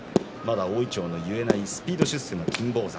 まだ大いちょうの結えないスピード出世の金峰山